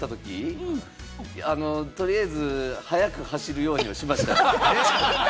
取りあえず、早く走るようにはしましたよ。